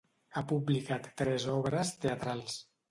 Ha publicat tres obres teatrals.